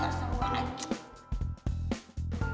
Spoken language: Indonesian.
ntar jam kecilannya gua buru abis nih